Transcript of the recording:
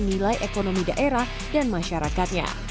nilai ekonomi daerah dan masyarakatnya